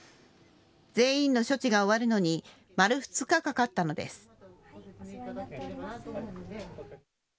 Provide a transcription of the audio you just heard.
全員の処置が終わるのに丸２日かかったのです。